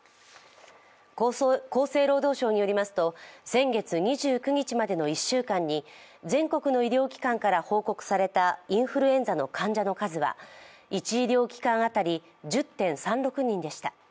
厚生労働省によりますと先月２９日までの１週間に全国の医療機関から報告されたインフルエンザの患者の数は１医療機関当たり１０．３６人でした。